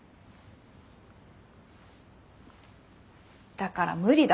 だから無理だ。